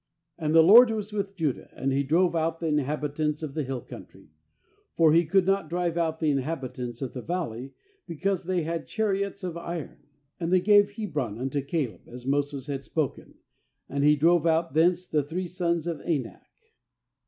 19And the LORD was 293 1.19 JUDGES with Judah; and he drove out the inhabitants of the hill country; for he could not drive out the inhabitants of the valley, because they had chariots of iron. 20And they gave Hebron unto Caleb, as Moses had spoken; and he drove out thence the three sons of Anak.